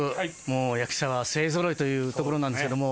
もう役者は勢ぞろいというところなんですけども。